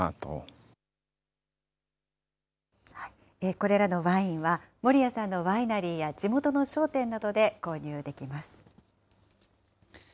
これらのワインは、森谷さんのワイナリーや地元の商店などで購入できます。